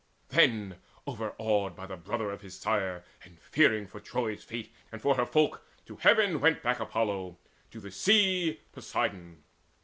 Then, overawed by the brother of his sire, And fearing for Troy's fate and for her folk, To heaven went back Apollo, to the sea Poseidon.